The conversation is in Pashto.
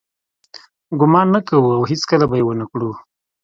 ګمان نه کوو او هیڅکله به یې ونه کړو.